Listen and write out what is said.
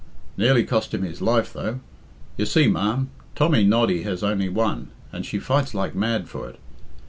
Nearly cost him his life, though. You see, ma'am, Tommy Noddy has only one, and she fights like mad for it.